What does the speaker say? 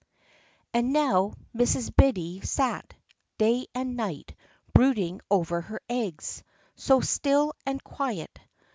And now Mrs. Biddy sat, day and night, Brooding over her eggs, so still and quiet.